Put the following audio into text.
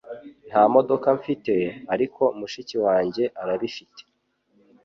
Nta modoka mfite, ariko mushiki wanjye arabifite.